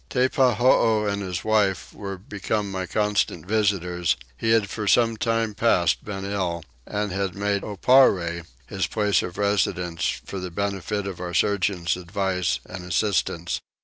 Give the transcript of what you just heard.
Teppahoo and his wife were become my constant visitors: he had for some time past been ill, and had made Oparre his place of residence for the benefit of our surgeon's advice and assistance.